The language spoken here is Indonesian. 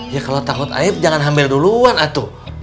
ya kalau takut aib jangan hamil duluan atu